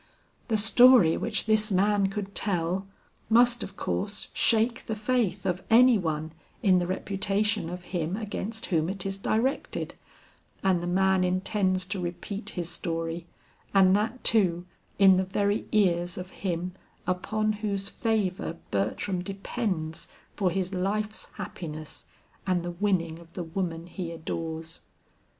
The story which this man could tell, must of course shake the faith of any one in the reputation of him against whom it is directed, and the man intends to repeat his story, and that, too, in the very ears of him upon whose favor Bertram depends for his life's happiness and the winning of the woman he adores.